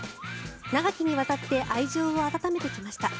長きにわたって愛情を温めてきました。